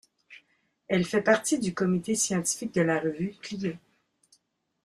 Elle fait partie du comité scientifique de la revue Clio.